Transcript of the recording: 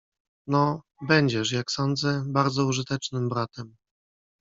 "No, będziesz, jak sądzę, bardzo użytecznym bratem."